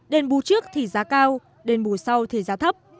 đền bù trước thì giá cao đền bù sau thì giá thấp